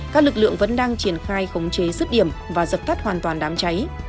các lực lượng vẫn đang triển khai khống chế sức điểm và giật thắt hoàn toàn đám cháy